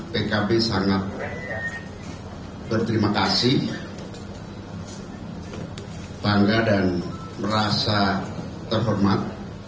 pkb sangat berterima kasih bangga dan merasa terhormat